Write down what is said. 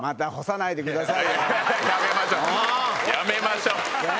やめましょ！